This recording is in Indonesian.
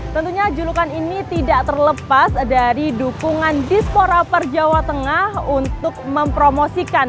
tentunya julukan ini tidak terlepas dari dukungan disporaper jawa tengah untuk mempromosikan